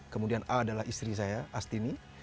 kemudian a adalah istri saya astini